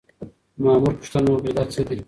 مامور پوښتنه وکړه چې دا څه دي؟